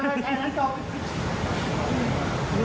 ไปไม่มีใครทำอะไรอีกหนึ่ง